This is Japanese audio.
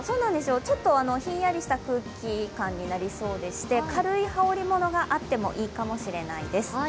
ちょっとひんやりした空気感になりそうでして軽い羽織り物があってもいいかもしれないです。